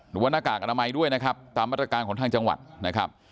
หน้ากากอนามัยด้วยนะครับตามมาตรการของทางจังหวัดนะครับ